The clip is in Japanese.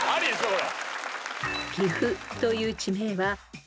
これ。